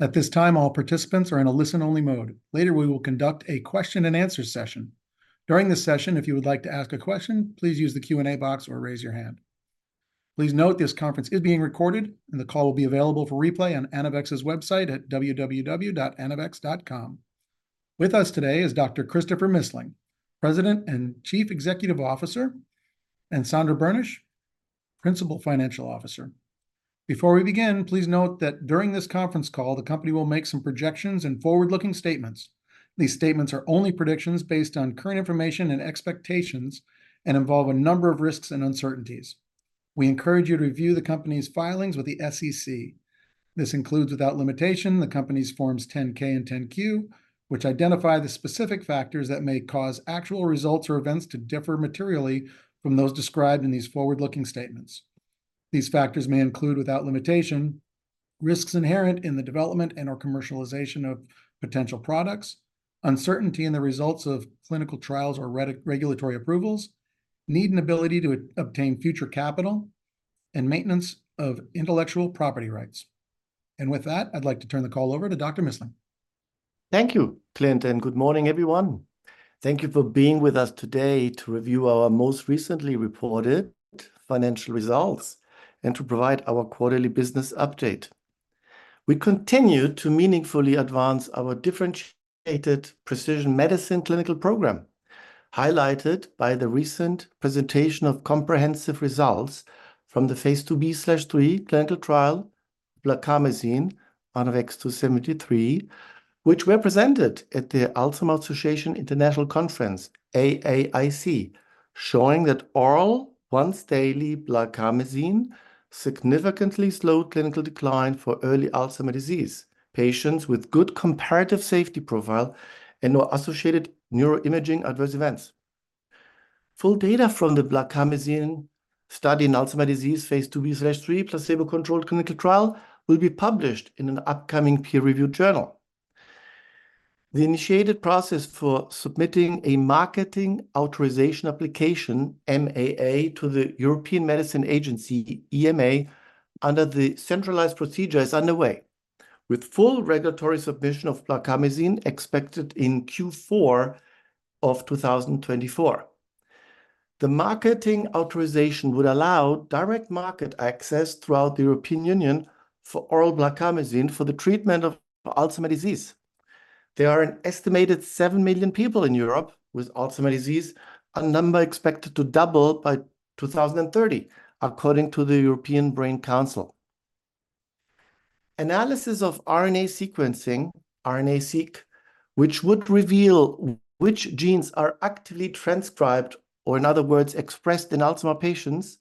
At this time, all participants are in a listen-only mode. Later, we will conduct a question-and-answer session. During the session, if you would like to ask a question, please use the Q&A box or raise your hand. Please note this conference is being recorded, and the call will be available for replay on Anavex's website at www.anavex.com. With us today is Dr. Christopher Missling, President and Chief Executive Officer, and Sandra Boenisch, Principal Financial Officer. Before we begin, please note that during this conference call, the company will make some projections and forward-looking statements. These statements are only predictions based on current information and expectations and involve a number of risks and uncertainties. We encourage you to review the company's filings with the SEC. This includes, without limitation, the company's Forms 10-K and 10-Q, which identify the specific factors that may cause actual results or events to differ materially from those described in these forward-looking statements. These factors may include, without limitation, risks inherent in the development and/or commercialization of potential products, uncertainty in the results of clinical trials or regulatory approvals, need and ability to obtain future capital, and maintenance of intellectual property rights. With that, I'd like to turn the call over to Dr. Missling. Thank you, Clint, and good morning, everyone. Thank you for being with us today to review our most recently reported financial results and to provide our quarterly business update. We continue to meaningfully advance our differentiated precision medicine clinical program, highlighted by the recent presentation of comprehensive results from the phase 2b/3 clinical trial, blarcamesine, Anavex 2-73, which were presented at the Alzheimer's Association International Conference, AAIC, showing that oral once-daily blarcamesine significantly slowed clinical decline for early Alzheimer's disease, patients with good comparative safety profile and no associated neuroimaging adverse events. Full data from the blarcamesine study in Alzheimer's disease phase 2b/3 placebo-controlled clinical trial will be published in an upcoming peer-reviewed journal. The initiated process for submitting a Marketing Authorisation Application, MAA, to the European Medicines Agency, EMA, under the centralized procedure is underway, with full regulatory submission of blarcamesine expected in Q4 of 2024. The marketing authorization would allow direct market access throughout the European Union for oral blarcamesine for the treatment of Alzheimer's disease. There are an estimated 7 million people in Europe with Alzheimer's disease, a number expected to double by 2030, according to the European Brain Council. Analysis of RNA sequencing, RNA-seq, which would reveal which genes are actively transcribed, or in other words, expressed in Alzheimer's patients,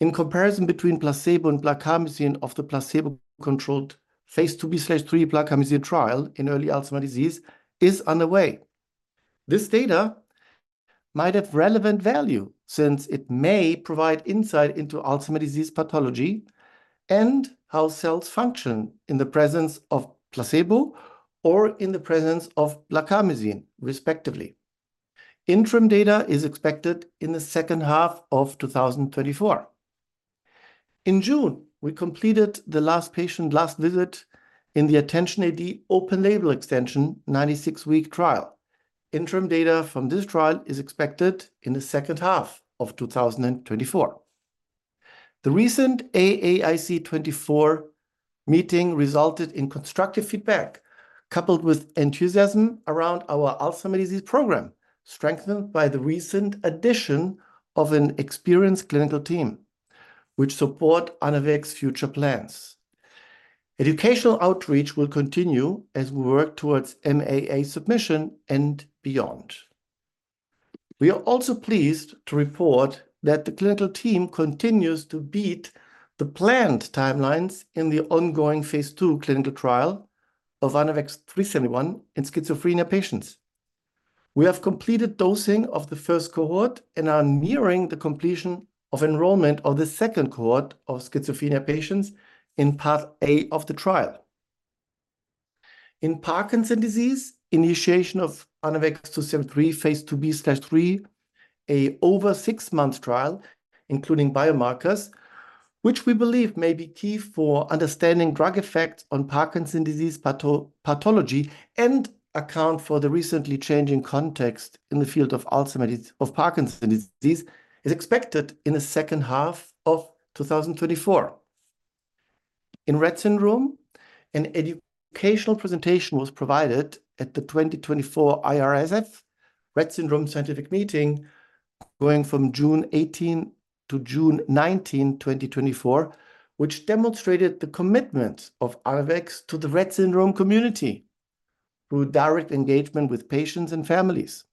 in comparison between placebo and blarcamesine of the placebo-controlled phase 2b/3 blarcamesine trial in early Alzheimer's disease, is underway. This data might have relevant value since it may provide insight into Alzheimer's disease pathology and how cells function in the presence of placebo or in the presence of blarcamesine, respectively. Interim data is expected in the second half of 2024. In June, we completed the last patient, last visit in the ATTENTION-AD open-label extension 96-week trial. Interim data from this trial is expected in the second half of 2024. The recent AAIC 2024 meeting resulted in constructive feedback, coupled with enthusiasm around our Alzheimer's disease program, strengthened by the recent addition of an experienced clinical team, which support Anavex future plans. Educational outreach will continue as we work towards MAA submission and beyond. We are also pleased to report that the clinical team continues to beat the planned timelines in the ongoing phase 2 clinical trial of Anavex 3-71 in schizophrenia patients. We have completed dosing of the first cohort and are nearing the completion of enrollment of the second cohort of schizophrenia patients in Part A of the trial. In Parkinson's disease, initiation of Anavex 2-73 phase 2b/3, an over six-month trial, including biomarkers, which we believe may be key for understanding drug effects on Parkinson's disease pathology and account for the recently changing context in the field of Parkinson's disease, is expected in the second half of 2024. In Rett syndrome, an educational presentation was provided at the 2024 IRSF Rett Syndrome Scientific Meeting, going from June 18 to June 19, 2024, which demonstrated the commitment of Anavex to the Rett syndrome community through direct engagement with patients and families.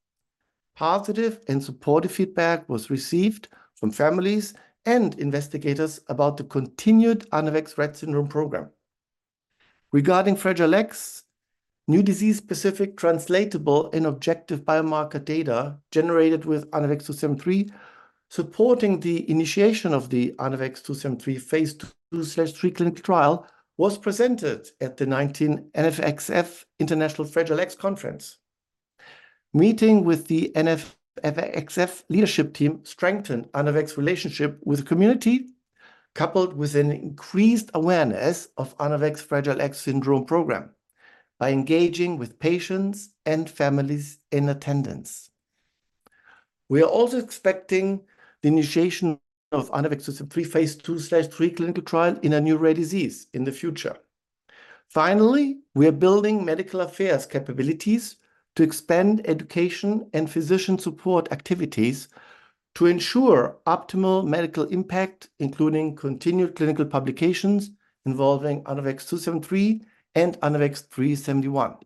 Positive and supportive feedback was received from families and investigators about the continued Anavex Rett syndrome program. Regarding Fragile X, new disease-specific, translatable, and objective biomarker data generated with Anavex 2-73, supporting the initiation of the Anavex 2-73 phase 2/3 clinical trial, was presented at the 19th NFXF International Fragile X Conference. Meeting with the NFXF leadership team strengthened Anavex's relationship with the community, coupled with an increased awareness of Anavex Fragile X syndrome program by engaging with patients and families in attendance. We are also expecting the initiation of Anavex 2-73 Phase 2/3 clinical trial in a new rare disease in the future. Finally, we are building medical affairs capabilities to expand education and physician support activities to ensure optimal medical impact, including continued clinical publications involving Anavex 2-73 and Anavex 3-71.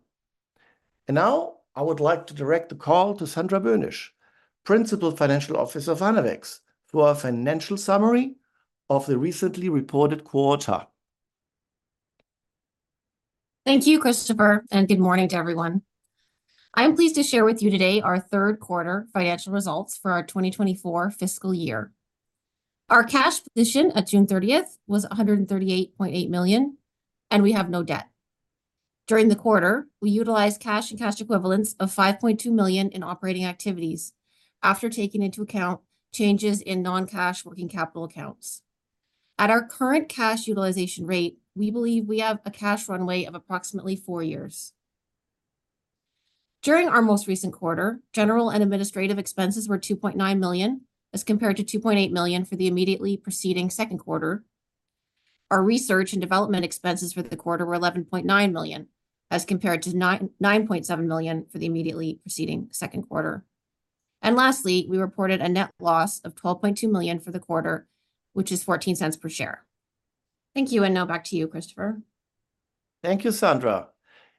And now, I would like to direct the call to Sandra Boenisch, Principal Financial Officer of Anavex, for our financial summary of the recently reported quarter. Thank you, Christopher, and good morning to everyone. I'm pleased to share with you today our third quarter financial results for our 2024 fiscal year. Our cash position at June 30th was $138.8 million, and we have no debt. During the quarter, we utilized cash and cash equivalents of $5.2 million in operating activities after taking into account changes in non-cash working capital accounts. At our current cash utilization rate, we believe we have a cash runway of approximately four years. During our most recent quarter, general and administrative expenses were $2.9 million, as compared to $2.8 million for the immediately preceding second quarter. Our research and development expenses for the quarter were $11.9 million, as compared to $9.7 million for the immediately preceding second quarter. And lastly, we reported a net loss of $12.2 million for the quarter, which is $0.14 per share. Thank you, and now back to you, Christopher. Thank you, Sandra.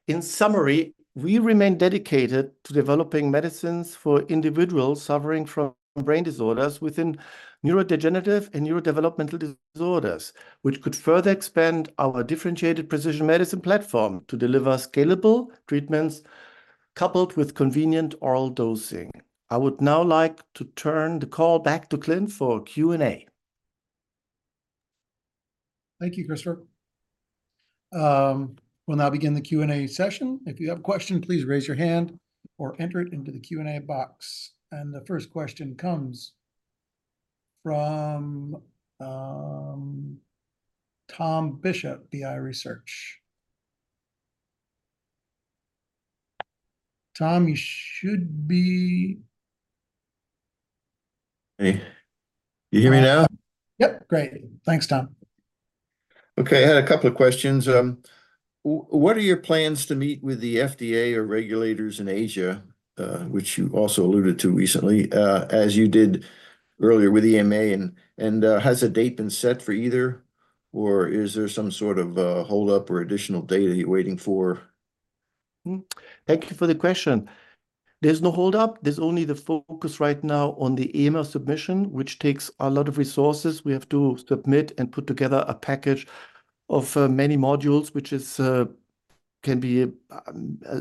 In summary, we remain dedicated to developing medicines for individuals suffering from brain disorders within neurodegenerative and neurodevelopmental disorders, which could further expand our differentiated precision medicine platform to deliver scalable treatments coupled with convenient oral dosing. I would now like to turn the call back to Clint for Q&A. Thank you, Christopher. We'll now begin the Q&A session. If you have a question, please raise your hand or enter it into the Q&A box. The first question comes from Tom Bishop, BI Research. Tom, you should be- Hey, you hear me now? Yep. Great. Thanks, Tom. Okay, I had a couple of questions. What are your plans to meet with the FDA or regulators in Asia, which you also alluded to recently, as you did earlier with EMA? And has a date been set for either, or is there some sort of a hold up or additional data you're waiting for? Thank you for the question. There's no hold up. There's only the focus right now on the EMA submission, which takes a lot of resources. We have to submit and put together a package of many modules, which can be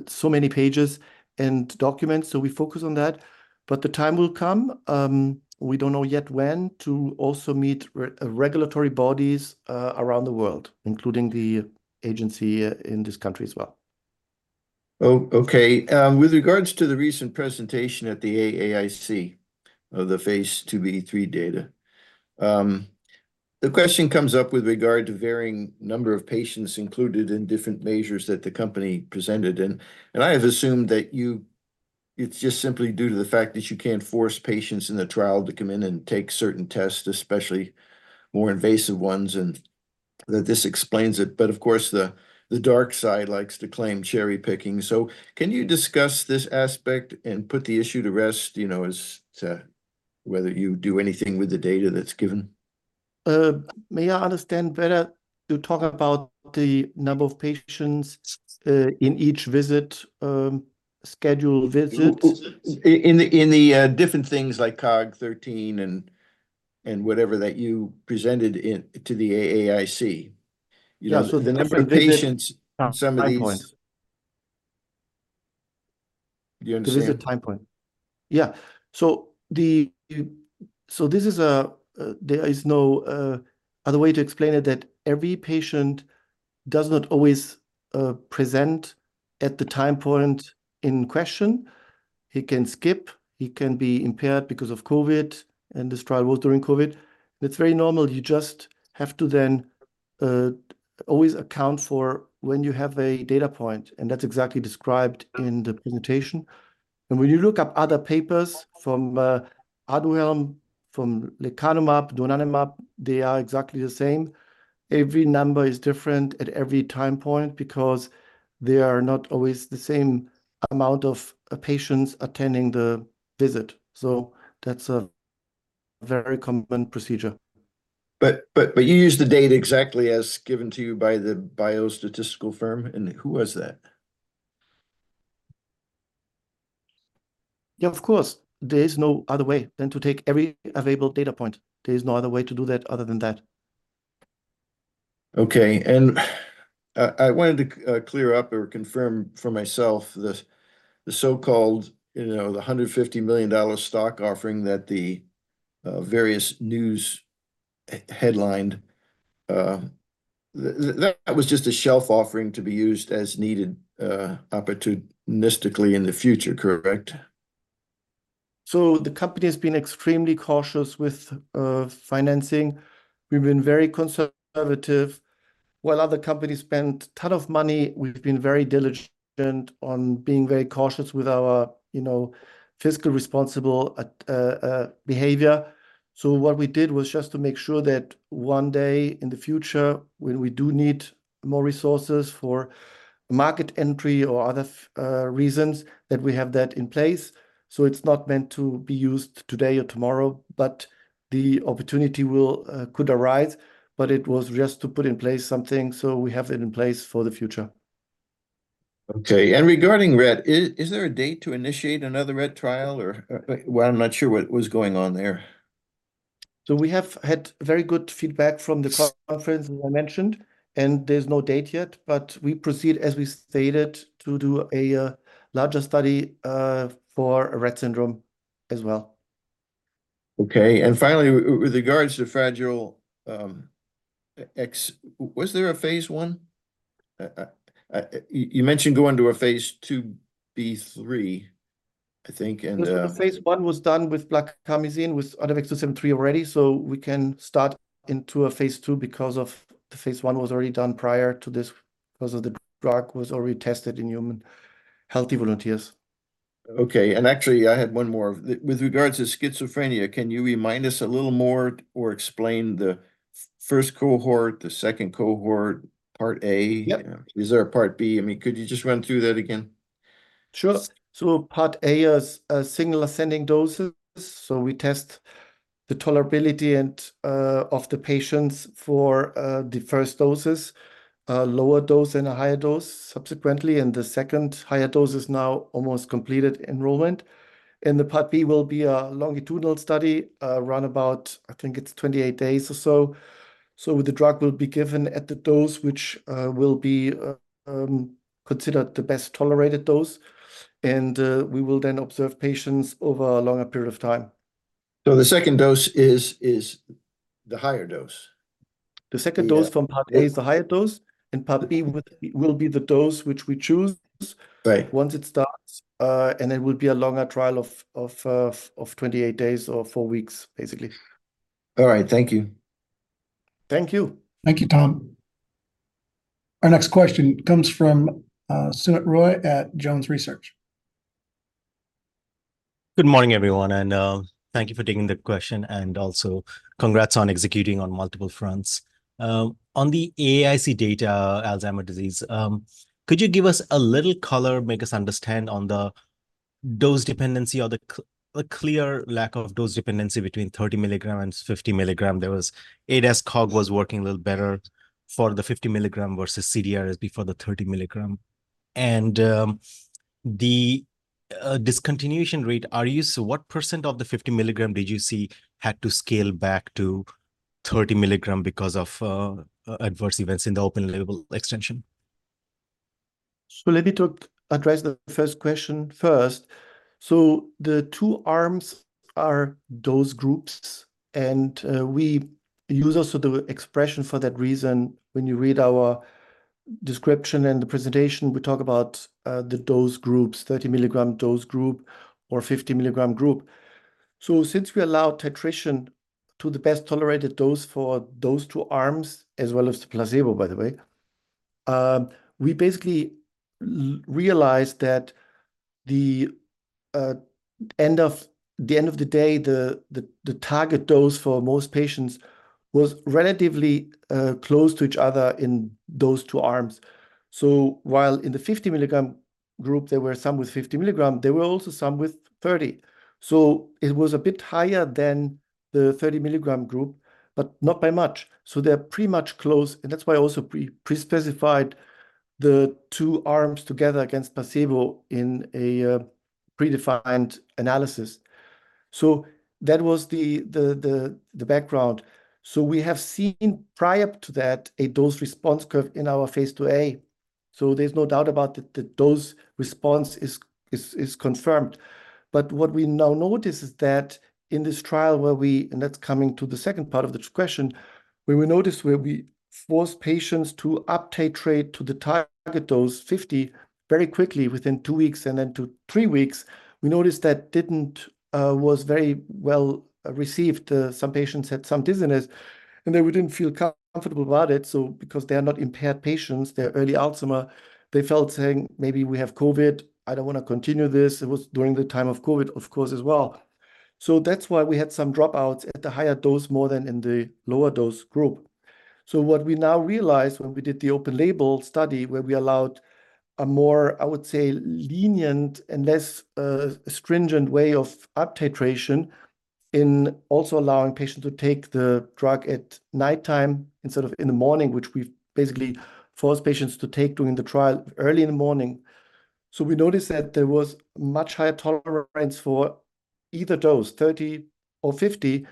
so many pages and documents, so we focus on that. But the time will come, we don't know yet when, to also meet regulatory bodies around the world, including the agency in this country as well. Oh, okay. With regards to the recent presentation at the AAIC, of the Phase 2/3 data, the question comes up with regard to varying number of patients included in different measures that the company presented. And I have assumed that it's just simply due to the fact that you can't force patients in the trial to come in and take certain tests, especially more invasive ones, and that this explains it. But of course, the dark side likes to claim cherry-picking. So can you discuss this aspect and put the issue to rest, you know, as to whether you do anything with the data that's given? May I understand better, you talk about the number of patients in each visit, scheduled visits? in the different things like Cog 13 and whatever that you presented to the AAIC. Yeah, so the number of visit- The number of patients from some of these- Time points Do you understand? Visit time point. Yeah. So this is a... There is no other way to explain it, that every patient does not always present at the time point in question. He can skip, he can be impaired because of COVID, and this trial was during COVID. It's very normal. You just have to then always account for when you have a data point, and that's exactly described in the presentation. And when you look up other papers from Aduhelm, from lecanemab, donanemab, they are exactly the same. Every number is different at every time point because they are not always the same amount of patients attending the visit, so that's a very common procedure. But you use the data exactly as given to you by the biostatistical firm, and who was that? Yeah, of course. There is no other way than to take every available data point. There is no other way to do that other than that. Okay, and I wanted to clear up or confirm for myself the so-called, you know, the $150 million stock offering that the various news headlined, that was just a shelf offering to be used as needed opportunistically in the future, correct? So the company has been extremely cautious with financing. We've been very conservative. While other companies spent a ton of money, we've been very diligent on being very cautious with our, you know, fiscally responsible behavior. So what we did was just to make sure that one day in the future, when we do need more resources for market entry or other reasons, that we have that in place. So it's not meant to be used today or tomorrow, but the opportunity could arise, but it was just to put in place something so we have it in place for the future. Okay, and regarding Rett, is there a date to initiate another Rett trial, or, well, I'm not sure what was going on there? So we have had very good feedback from the conference, as I mentioned, and there's no date yet, but we proceed, as we stated, to do a larger study for Rett syndrome as well. Okay, and finally, with regards to Fragile X, was there a phase 1? You mentioned going to a phase 2b/3, I think, and The phase 1 was done with blarcamesine, with Anavex 2-73 already, so we can start into a phase 2 because of the phase 1 was already done prior to this, because of the drug was already tested in human healthy volunteers. Okay, and actually, I had one more. With regards to schizophrenia, can you remind us a little more or explain the first cohort, the second cohort, part A? Yep. Is there a part B? I mean, could you just run through that again? Sure. So part A is single ascending doses. So we test the tolerability and of the patients for the first doses, a lower dose and a higher dose subsequently, and the second higher dose is now almost completed enrollment. And the part B will be a longitudinal study run about, I think it's 28 days or so. So the drug will be given at the dose, which will be considered the best tolerated dose, and we will then observe patients over a longer period of time. So the second dose is the higher dose? The second dose- Yeah... from part A is the higher dose, and part B will be the dose which we choose. Right... once it starts, and it will be a longer trial of 28 days or 4 weeks, basically. All right. Thank you. Thank you. Thank you, Tom. Our next question comes from Soumit Roy at Jones Research. Good morning, everyone, and thank you for taking the question, and also congrats on executing on multiple fronts. On the AAIC data, Alzheimer's disease, could you give us a little color, make us understand on the dose dependency or the clear lack of dose dependency between 30 mg and 50 mg? There was ADAS-Cog working a little better for the 50 mg versus CDR-SB for the 30 mg. And the discontinuation rate, so what % of the 50 mg did you see had to scale back to 30 mg because of adverse events in the open-label extension? So let me talk, address the first question first. So the two arms are dose groups, and we use also the expression for that reason. When you read our description and the presentation, we talk about the dose groups, 30 mg dose group or 50 mg group. So since we allow titration to the best tolerated dose for those two arms, as well as the placebo, by the way, we basically realized that the end of the day, the target dose for most patients was relatively close to each other in those two arms. So while in the 50 mg group, there were some with 50 mg, there were also some with 30. So it was a bit higher than the 30 mg group, but not by much. So they're pretty much close, and that's why I also pre-specified the two arms together against placebo in a predefined analysis. So that was the background. So we have seen prior to that, a dose response curve in our phase 2a, so there's no doubt about it, the dose response is confirmed. But what we now notice is that in this trial where we... And that's coming to the second part of the question, where we notice, where we force patients to uptitrate to the target dose, 50, very quickly, within 2 weeks and then to 3 weeks, we noticed that didn't was very well received. Some patients had some dizziness, and they wouldn't feel comfortable about it. So because they are not impaired patients, they're early Alzheimer's, they felt saying, "Maybe we have COVID. I don't want to continue this." It was during the time of COVID, of course, as well. So that's why we had some dropouts at the higher dose, more than in the lower dose group. So what we now realize when we did the open label study, where we allowed a more, I would say, lenient and less stringent way of up-titration, in also allowing patients to take the drug at nighttime instead of in the morning, which we've basically forced patients to take during the trial early in the morning. So we noticed that there was much higher tolerance for either dose, 30 or 50,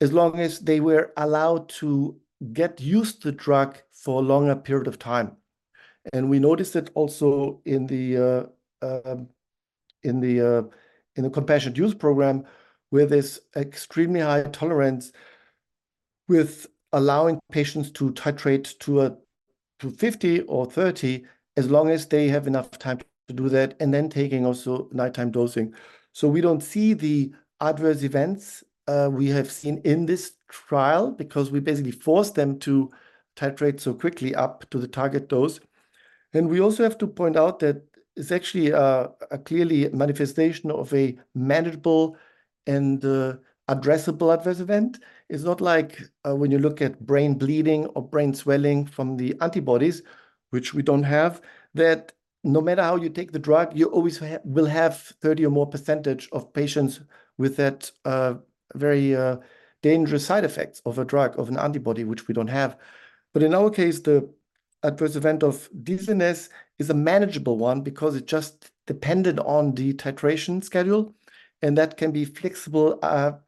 as long as they were allowed to get used to the drug for a longer period of time. And we noticed it also in the... In the compassionate use program, where there's extremely high tolerance with allowing patients to titrate to a, to 50 or 30, as long as they have enough time to do that, and then taking also nighttime dosing. So we don't see the adverse events we have seen in this trial, because we basically forced them to titrate so quickly up to the target dose. We also have to point out that it's actually a clearly manifestation of a manageable and addressable adverse event. It's not like, when you look at brain bleeding or brain swelling from the antibodies, which we don't have, that no matter how you take the drug, you always will have 30% or more of patients with that very dangerous side effects of a drug, of an antibody, which we don't have. But in our case, the adverse event of dizziness is a manageable one, because it just depended on the titration schedule, and that can be flexible,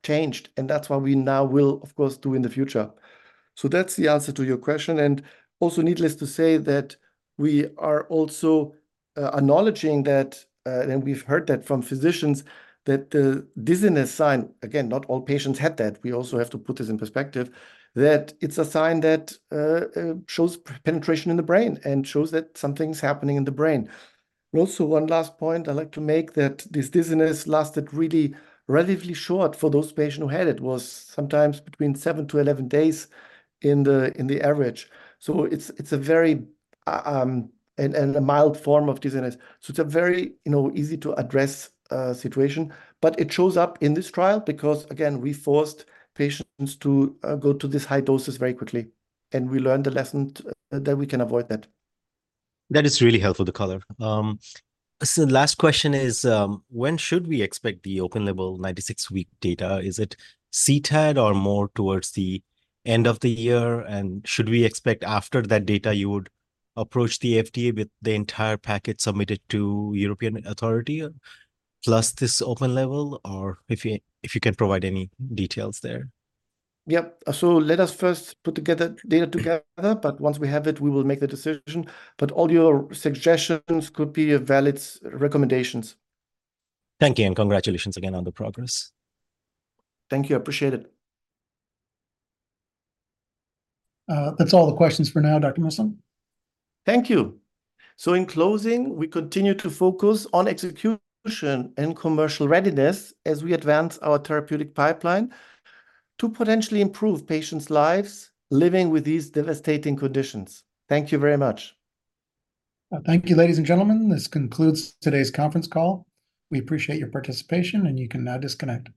changed, and that's what we now will, of course, do in the future. So that's the answer to your question. And also, needless to say, that we are also, acknowledging that, and we've heard that from physicians, that the dizziness sign, again, not all patients had that, we also have to put this in perspective, that it's a sign that, shows penetration in the brain and shows that something's happening in the brain. Also, one last point I'd like to make, that this dizziness lasted really relatively short for those patients who had it. It was sometimes between 7-11 days in the average. So it's a very mild form of dizziness. So it's a very, you know, easy-to-address situation. But it shows up in this trial because, again, we forced patients to go to this high doses very quickly, and we learned the lesson that we can avoid that. That is really helpful, color. So the last question is, when should we expect the open-label 96-week data? Is it CTAD or more towards the end of the year? And should we expect after that data, you would approach the FDA with the entire packet submitted to European Authority, plus this open-label? Or if you can provide any details there. Yep. So let us first put together data together, but once we have it, we will make the decision. But all your suggestions could be valid recommendations. Thank you, and congratulations again on the progress. Thank you. I appreciate it. That's all the questions for now, Dr. Missling. Thank you. So in closing, we continue to focus on execution and commercial readiness as we advance our therapeutic pipeline to potentially improve patients' lives living with these devastating conditions. Thank you very much. Thank you, ladies and gentlemen. This concludes today's conference call. We appreciate your participation, and you can now disconnect.